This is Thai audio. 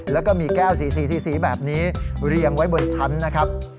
แล้วก็มีแก้วสีแบบนี้เรียงไว้บนชั้นนะครับ